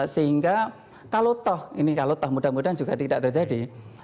sehingga kalau toh ini kalau toh mudah mudahan juga tidak terjadi